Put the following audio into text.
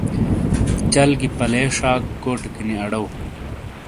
چل گی پلے شاک کوٹیکی نی ارؤ۔